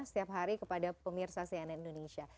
setiap hari kepada pemirsa cnn indonesia